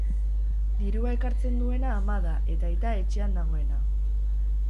Dirua ekartzen duena ama da eta aita, etxean dagoena.